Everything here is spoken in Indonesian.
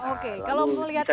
oke kalau mau lihat kasus